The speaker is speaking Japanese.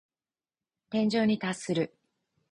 天井に達する。